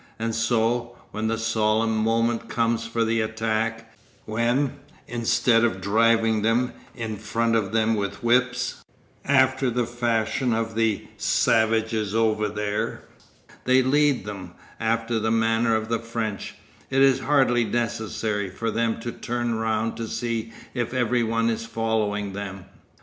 And so, when the solemn moment comes for the attack, when, instead of driving them in front of them with whips, after the fashion of the savages over there, they lead them, after the manner of the French, it is hardly necessary for them to turn round to see if everyone is following them.